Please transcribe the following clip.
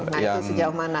nah itu sejauh mana